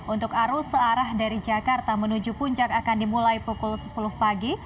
untuk arus searah dari jakarta menuju puncak akan dimulai pukul sepuluh pagi